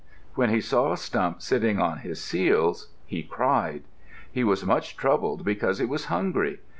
When he saw Stump sitting on his seals, he cried. He was much troubled because he was hungry.